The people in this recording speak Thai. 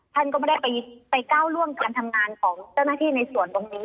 ท่านก็ไม่ได้ไปก้าวล่วงการทำงานของเจ้าหน้าที่ในส่วนตรงนี้